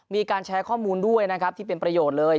มีการแชร์ข้อมูลด้วยนะครับที่เป็นประโยชน์เลย